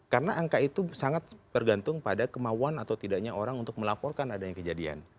karena angka itu sangat tergantung pada kemauan atau tidaknya orang untuk melaporkan adanya kejadian